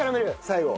最後。